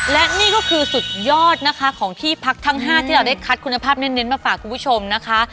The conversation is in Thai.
และนี่ก็คือสุดยอดนะคะของที่พักทั้ง๕ที่เราได้คัดคุณภาพเน้นมาฝากคุณผู้ชมนะคะ